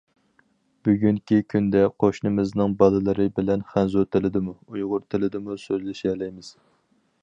بۈگۈنكى كۈندە قوشنىمىزنىڭ بالىلىرى بىلەن خەنزۇ تىلىدىمۇ، ئۇيغۇر تىلىدىمۇ سۆزلىشەلەيمىز.